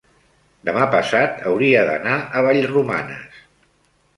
demà passat hauria d'anar a Vallromanes.